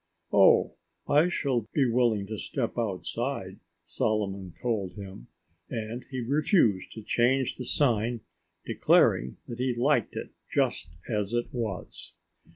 "Oh, I shall be willing to step outside," Solomon told him. And he refused to change the sign, declaring that he liked it just as it was.